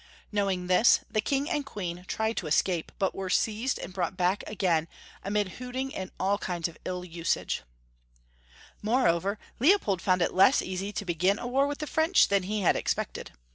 Knowing this, the King and Queen 428 Young Folks^ History of Q ermany. tried to escape, but were seized and brought back again, amid hooting and all kinds of ill usage. Moreover, Leopold found it less easy to begin a war with the French than he had expected.